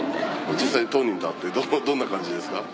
・実際当人と会ってどんな感じですか？